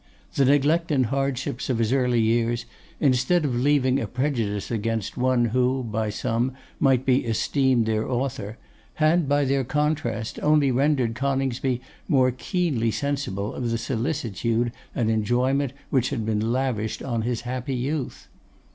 The neglect and hardships of his early years, instead of leaving a prejudice against one who, by some, might be esteemed their author, had by their contrast only rendered Coningsby more keenly sensible of the solicitude and enjoyment which had been lavished on his happy youth.